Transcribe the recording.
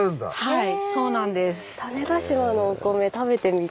はい。